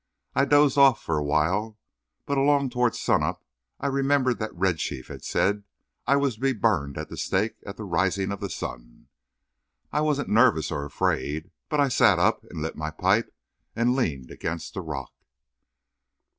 I dozed off for a while, but along toward sun up I remembered that Red Chief had said I was to be burned at the stake at the rising of the sun. I wasn't nervous or afraid; but I sat up and lit my pipe and leaned against a rock.